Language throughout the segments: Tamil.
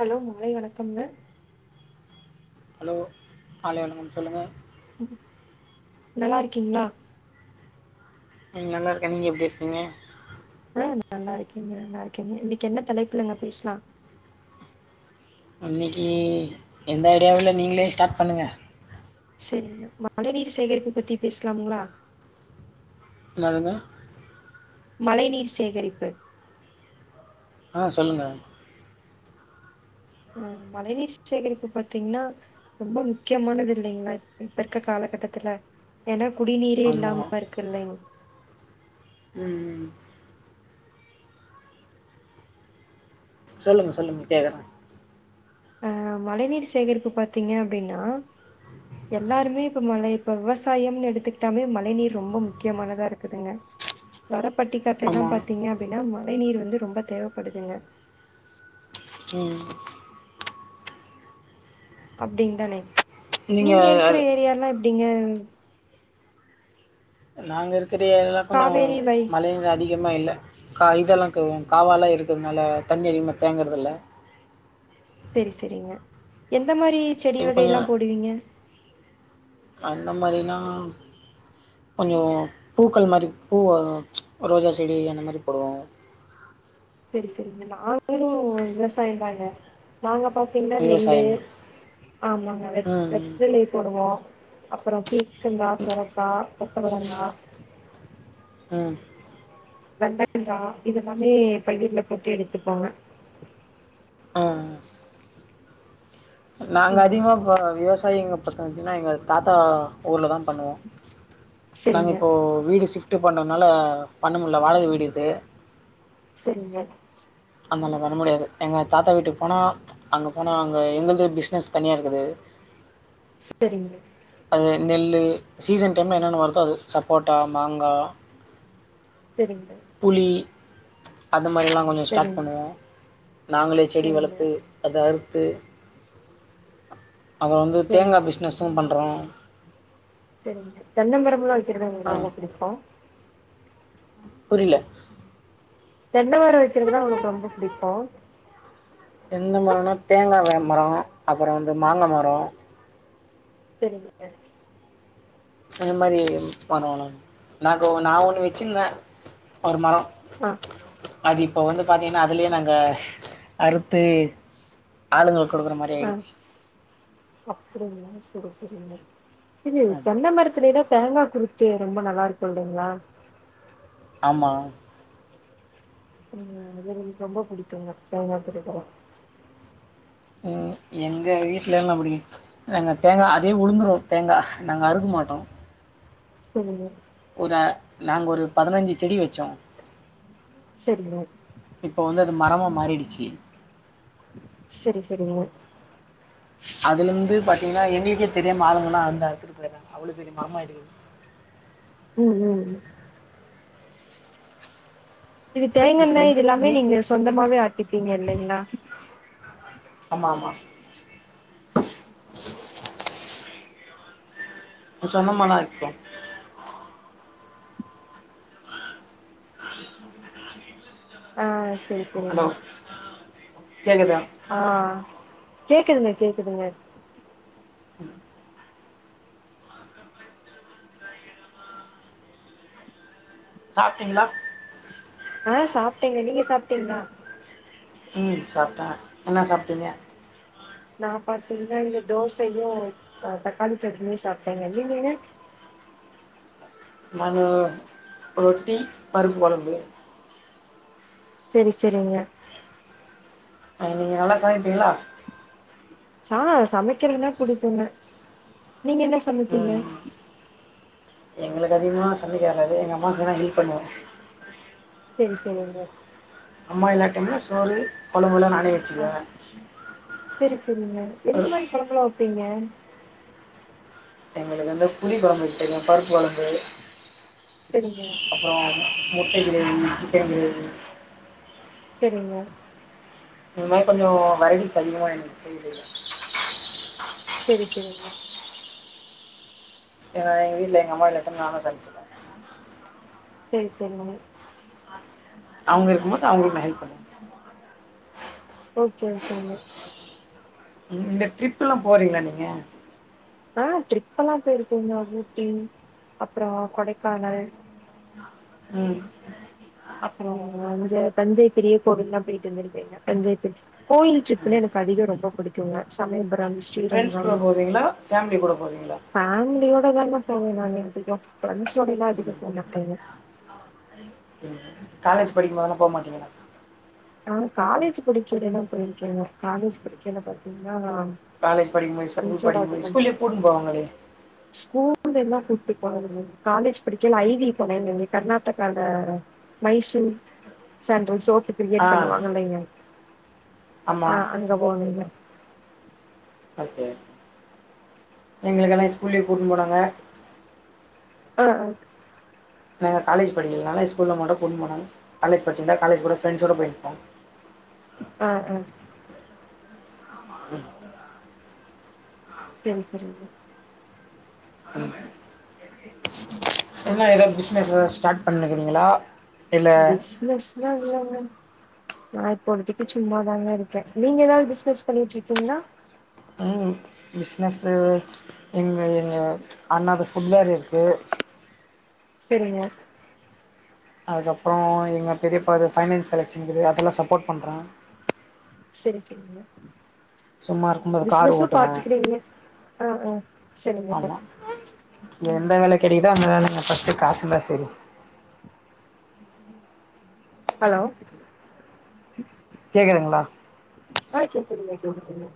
ஹலோ மாலை வணக்கம்ங்க ஹலோ காலை வணக்கம் சொல்லுங்க உம் நல்லா இருக்கீங்ளா உம் நல்லாயிருக்கேன் நீங்க எப்டி இருக்கீங்க ப்ப நல்லா இருக்கேங்க நல்லா இருக்கேங்க இன்னைக்கு என்ன தலைப்புலங்க பேசலாம் அன்னிக்கி எந்த ஐடியாவும் இல்ல நீங்களே ஸ்டார்ட் பண்ணுங்க சேரிங்கா மழ நீீர் சேகரிப்பு பத்தி பேசலாமுங்ளா நானா மழை நீர் சேகரிப்பு ஆ சொல்லுங்க உம் மழை நீர் சேகரிப்பு பாத்தீங்ன்னா ரொம்ப முக்கியமானது இல்லங்ளா இப்ப இருக்க காலகட்டத்துல ஏன்னா குடிநீரே ஆமாம் இல்லாம இருக்கு இல்லங் உம் உம் சொல்லுங்க சொல்லுங்க கேக்குறே ஆ மழை நீர் சேகரிப்பு பாத்தீங்க அப்டின்னா எல்லாருமே இப்ப மழை இப்ப விவசாயம்னு எடுத்துக்கிட்டாலே மழை நீர் ரொம்ப முக்கியமானதா இருக்குதுங்க வரப்பட்டிக்காட்டைலாம் ஆமாம் பாத்தீங்க அப்டின்னா மழை நீர் வந்து ரொம்ப தேவப்படுதுங்க உம் அப்டின் தானே நீங்க இருக்குற நீங்கள் ஏரியாலா எப்டிங்க நாங்க இருக்குற ஏரியால்லாம் கொஞ்சோ காவேரி வை மழைகள் அதிக திகமா இல்ல கா இதெல்லா கவ்வூ காவாலாம் இருக்குறதுனால தண்ணி அதிகமாக தேங்குறதில்ல சேரி சேரிங்க எந்த மாரி செடி இப்போ கொஞ்சம் வகையெல்லாம் போடுவீங்க அந்த மாரிலா கொஞ்சம் பூக்கள் மாரி பூ ரோஜா செடி அந்த மாரி போடுவாங்க சரி சரிங்க நாங்களும் விவசாய தாங்க நாங்கப்பாத் கில்ல நெல்லு விவசாயம் ஆமாங்க வெத் ம் வெத்தலை போடுவோம் அப்றோம் கீ ங்கா சுரக்கா கொத்தவரங்கா உம் வெந்தரிக்கா இதெல்லாமே பையில போட்டு எடுத்துப்பாங்க ஆ நாங்க ம் அதிகமா போட்ற விவசாயிங்க பத்த வச்சீங்கன்னா எங்க தாத்தா ஊர்ல தா பண்ணுவோ நாங்க செரிங்க இப்போ வீடு ஷிஃப்டு பண்றதுனால பண்ண முடில வாடக வீடு இது சரிங்க அதனால வர முடியாது எங்க தாத்தா வீட்டுக்கு போனா அங்க போன அங்க எங்கது பிசினஸ் தனியா இருக்குது சரிங்க அது நெல்லு சீசன் டைம்ல என்னென்னு வருதோ அது சப்போட்டா மாங்கா [inaudible] சரிங்கா புளி அந்த மாரியெல்லா கொஞ்சோம் ஸ்டாட் செரிங்க பண்ணுவோ நாங்களே செடி செரிங்க வளத்து அத அறுத்து அவ வந்து செரிங்க தேங்காய் பிஸ்னஸூம் பண்றோம் சேரிங்க தென்னைமரம் எல்லாம் வக்கிறது எங்களுக்கு ஆ ரொம்ப பிடிக்கும் புரியல தென்னை வரம் வக்கிறதுனா உனக்கு ரொம்ப பிடிக்கும் தென்னை மரம்னா தேங்காய் மரம் அப்றோம் வந்து மாங்கா மரம் செரிங்கிங்க அந்த மாரிம் வருன நாக்கு நா ஒன்னு வெச்சிந்தே ஒரு மரோ ஆ அது இப்போ வந்து பாத்தீங்கனா அதுலியே நாங்க அறுத்து ஆளுங்ளுக் குடுக்குற மாரி ஆயிடுச்சி அப்டிங்ளா செரி செரிங்க இது எது தென்னம் மரத்துலேலாத் தேங்கா குருத் சே ரொம்ப நல்லாருக்கு இல்லைங்ளா ஆமா ம் [unintelligible] ரொம்பப் புடிக்குங்க தேங்கா குருதெலா ம் எங்க வீட்லெலா அப்டி நாங்கத் தேங்கா அதே உழுந்துரு தேங்கா நாங்க அறுக மாட்டோ செரிங்க ஒரு‌ அ நாங்க ஒரு பதனஞ்சி செடி வெச்சோ செரிங்கோ இப்போ வந்து அது மரமா மாறிடுச்சி செரி செரிங்க அதுலந்து பாத்தீங்கினா எங்குளுக்கே தெரியாம ஆளுங்கெல்லா அந்து அறுத்துட் போயர்றாங்க அவ்ளோ பெரிய மரமா ஆயிடுகுது ம் ம் ம் இதுத் இப்ப தேங்கண்ணெ இது எல்லாமே நீ நீங்க சொந்தமாவே ஆட்டிப்பீங்க இல்லங்ளா அம்மா அம்மா சொன்னமானா இக்கு ஆச் ஹலோ கேக்குதா ஆ கேக்குதுங்க கேக்குதுங்க ம் சாப்ட்டீங்ளா ஆ சாப்டேங்க நீங்க சாப்டீங்ளா ம் சாப்ட்டேக என்னா சாப்ட்டீங்க நா பாத்தீங்னா இந்த தோசையு அ தக்காளிச் சட்னியு சாப்ட்டேங்க நீங்கங்க நாங்கோ ரொட்டி பருப்பு கொழம்பு செரி செரிங்க ஆ நீங்க நல்லா சமைப்பீங்ளா சா சமைக்கிறதுனாப் புடிக்குங்க நீங்க என்னச் ம் எங்குளுக்கு அதிகமா சமைக்க வராது எங்க அம்மாவுக்கு வேணா ஹெல்ப் பண்ணுவே செரி செரிங்க அம்மா இல்லாடிம்ல சோறு கொழம்புலா நானே வெப் ஆ செரி செரிங்க எந்த ஒரு மாரிக் கொழம்புலா வெப்பீங்க எங்களுக்கு வந்துப் புளி கொழம்பு வெக்தெரியு பருப்பு கொழம்பு செரிங்க அப்றோ முட்டை கிரேவி சிக்கன் கிரேவி செரிங்க இன் மாரி கொஞ்சோ வெரவிஸ் அதிகமா எனகு செய்யத் தெரியு செரி செரிங்க எங்க எங்க வீட்ல எங்க அம்மா இல்லாட்டா நானா சம்ச்சிப்பே செரி செரிங்க அவுங்க இருக்கும் போது அவுங்களுக்கு மேனேஜ் பண்ணுங்க ஓகே ஓகேங்க இந்த ட்ரிப்பெல்லா போறீங்ளா நீங்க ஆ ட்ரிப்பல்லா போயிருக்கேங்க ஊட்டி அப்றோ கொடைக்கானல் ம் அப்றோ இங்க தஞ்சை பெரிய கோயில்லா போயிட்டு வந்திருக்கேங்க தஞ்சை பெரிய கோயில் ட்ரிப்புன்னு ம் எனக்கு அதிகோ ரொம்ப புடிக்குங்க சமயபுரம் ஃப்ரெண்ட்ஸ் கூட ஸ்ரீரங்கம் போவிங்ளா ஃபே மலி கூட போவிங்ளா ஃபேமிலியோட தாங்க போவே நா அதிகோ ஃப்ரெண்ட்ஸோடெல்லா அதிகோ ம் போ மாட்டேங்க காலேஜ் படிக்கு போதெல்லா போ மாட்டீங்ளா நானு காலேஜ் படிக்கையிலல்லா போயிருக்கேங்க காலேஜ் படிக்கயில பாத்தீங்கன்னா காலேஜ் படிகபோது ஸ்கூல்லையே ஃப்ரெண்ட்ஸோட படிக்போத் ஸ்கூல்லையே கூட்னு போவாங்களே ஸ்கூல்ல எல்லா கூட்டி போலைங்க காலேஜ் படிக்கையில ஐ வி போனே கர்நாட்டகால மைசூர் கேண்டல் சோப் ஆ கிரியேட் பண்ணுவாங்கல்ல இங்க ஆ ஆமாம் அங்க போனங்க ஓகே எங்களுக்கெல்லா ஸ்கூல்லையே கூட்னு போனாங்க ஆ ஆ நாங்க காலேஜ் படிக்கிறதுனால ஸ்கூல்ல மட்டு கூட்டுனு போனாங்க காலேஜ் படிச்சிந்தா காலஜ் கூட ஃப்ரண்ட்ஸ்சோட போயிருப்போ ஆ ஆ ம் செரி செரிங்க ம் என்ன ஏதாது பிசஸ் ஏதாது ஸ்டார்ட் பண்ணினுக்கிறீங்ளா பிஸ்னஸ்லா இல்லங்க நா இப்பழுதிக்கி சும்மாதாங்க இருக்கே நீங்க ஏதாவது பிஸ்னஸ் பண்ணிட்டு இருக்கீங்ளா ம் பிஸ்னசு ஒ எங்க எங்க அண்ணாது ஃபுட் வேர் இருக்கு செரிங்க அதுக்கப்றோ எங்க பெரியப்பாது ஃபைனான்ஸ் கலெக்ஷன்னு இருக்குது அதல சப்போர்ட் பண்ணுறே செரி செரிங்க சும்மா இருக்கும்போது கார் பிசினஸு ஓட்டுவே பாத்துக்கறீங்க ஆ ஆ செரிங்க ஆமா எந்த வேல கெடைக்கிதோ அந்த வேலங்க ஃபர்ஸ்ட் காசு இருந்த செரி ஹலோ கேக்குதுங்ளா ஆ கேக்குதுங்க சொல்லு சொல்லு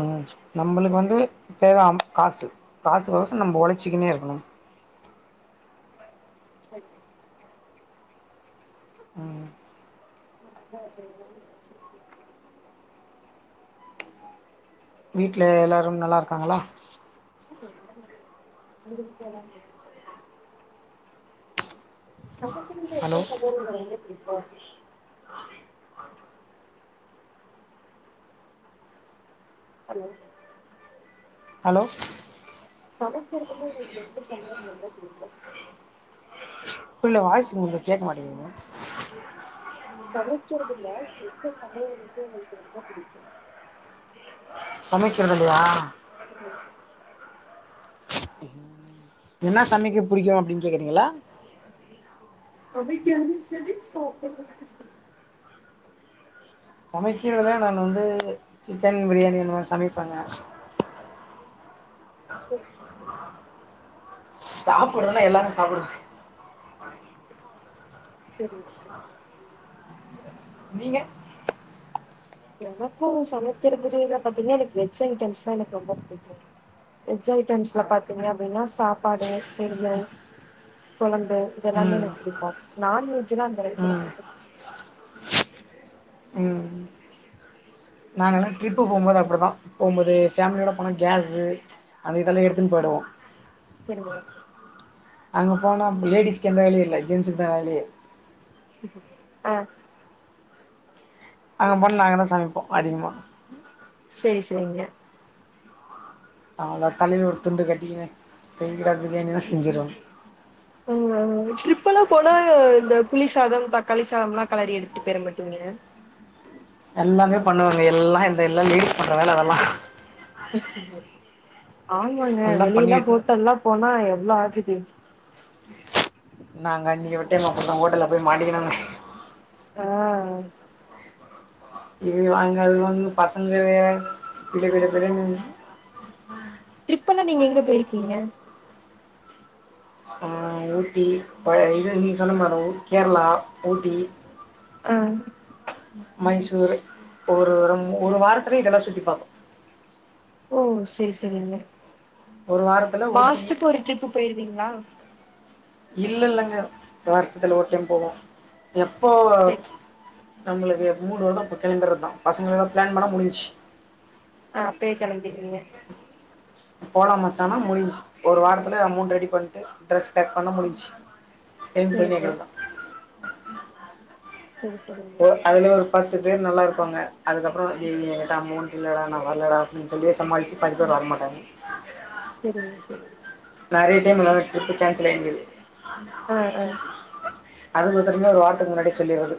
ஆ நம்மளுக்கு வந்து தேவ அம் காசு காசுக்கோசோ நம்ம ஒழச்சிக்கின்னே இருக்கணு செரிங்க ம் இல்ல எதுவும் பேச வீட்ல எல்லாரு நல்லா இருக்காங்ளா இங்கே எல்லாரு நல்லா இருக்காங்க உங்க வீட்ல எல்லாரு நல்லா சமைக்கிறதுல ஹலோ எந்த சமையல் ரொம்பவே புடிக்கோ [inaudible] ஹலோ ஹலோ சமைக்கறதுல ஒங்ளுக்கு எந்த சமையல் ரொம்ப புடிக்கு இல்ல வாய்ஸ் ஒங்ள்து கேக்க மாட்டேங்கிது சமைக்கிறதுல எந்த சமயல் வந்து ஒங்ளுக்கு ரொம்ப புடிக்கு சமைக்கிறதுலயா ம் என்னா சமைக்க புடிக்கு அப்டின் கேக்குறீங்களா சமைக்கறதும் செரி சாப்பறது செரி சமைக்கறத நான் வந்து சிக்கன் பிரியாணி அந்த மாரி சமைப்பேங்க சாப்புட்றதுனா எல்லாமே சாப்டுவே சேரிங்க செரிங் நீங்க எனக்கு சமைக்கருதுலே பாத்தீங்கன்னா எனக்கு வெஜ் ஐட்டம்ஸ் தா எனக்கு ரொம்ப புடிக்கு வெஜ் ஐட்டம்ஸ்ல பாத்தீங்க அப்டின்னா சாப்பாடு பெரியல் கொழம்பு இதெல்லாமே ம் எனக்கு புடிக்கு நான்வெஜ்லா அந்த அளவுக்கு எனக்கு ம் சமைக் ம் நாங்களா ட்ரிப்பு போம்போது அப்டி தா போம்போது ஃபேமிலியோட போனா கேஸு அதே கழுவி எடுத்தின் பொயிடுவோ செரிங்க அங்க போனா லேடிஸ்க்கு எந்த வேலயு இல்ல ஜென்ஸ்க்கு தா வேலயே அ அங்க போனா நாங்க தா சமைப்போ அதிகமா சேரி செரிங்க நல்லா தலையில ஒரு துண்டு கட்டிக்கினு செய் [unintelligible] பிரியாணிலா செஞ்சிருவாங் ம் ம் ட்ரிப்பெல்லா போனா இந்த புளி சாதம் தக்காளி சாதம்லா கெலறி எடுத் டிப்ரேபட்டிங்க எல்லாமே பண்ணுவாங்க எல்லா இந்த எல்லா லேடிஸ் பண்ற வேல அதெல்லா ஆமாங்க எல்லா பண்ணி வெளிலலா எட்த்துனு ஹோட்டல்லா போனா எவ்ள ஆகுது நாங்க அன்னிக்கி விட்டர்ரோ அப்றோ ஹோட்டல்லப் போய் மாட்டிக்கினாங்க ஆ இது வாங்கு அது வாங்குனு பசங்க வேற கிடு கிடு கிடுனு ட்ரிப்பெல்லா நீங்க எங்க பொயிர்க்கீங்க அ ஊட்டி இது நீங்க சொன்ன மாரி கேர்ளா ஊட்டி அ மைசூரு ஒரு மூணு வாரத்துல இதெல்லா சுத்தி பாப்போ ஓ செரி செரிங்க ஒரு வார மாசத்துக்கு ஒரு ட்ரிப்பு பொயிர்வீங்ளா இல்லலங்க வருஷத்துல ஒரு டைம் போவோ எப்போ செரி நம்ளுக்கு மூடு வருமா அப்ப கெளம்பிரதா பசங்களலா பிளான் பண்ணா முடிஞ்சி அ அப்பயே கெளம்பிடுவீங்க போலா மச்சானா முடிஞ்சி ஒரு வாரதுல அமௌண்ட் ரெடி பண்ட்டு ட்ரஸ் பேக் பண்ணா முடிஞ்சி செரிங்க [unintelligible] செரி செரிங்க அதுல ஒரு பத்து பேர் நல்லாருப்பாங்க அதுக்கப்றோ அய்யய்ய ஏ கிட்ட அமௌண்ட் இல்லடா நா வர்லடா னு சொல்லியே சமாளிச்சி பாதி பேர் வர மாட்டாங்க செரிங்க செரிங்க நெறைய டைம் வேறொரு டிரிப்பு கேன்சல்லாயிருந்தது ஆ ஆ அதுக்கு சடனா ஒரு வார்த்துக்கு முன்னாடியே சொல்லிறது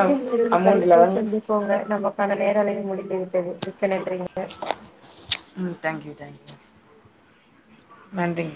அ ஒரு அமௌண்ட் தலைப்பில் இல்லாதவங்க சந்தி போங்க நமக்கான நேர அலைகள் முடிந்து விட்டது மிக்க நன்றி ம் தேங்க்யூ தேங்க் நன்றிங்